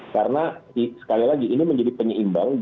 karena sekali lagi ini menjadi penyeimbang